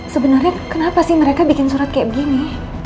sebenarnya kenapa sih mereka bikin surat kayak begini